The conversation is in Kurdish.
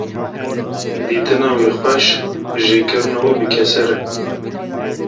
Dîtina wê xweş, jêkirina wê bi keser e